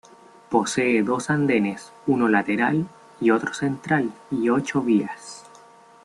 Posee dos andenes uno lateral y otro central y ocho vías.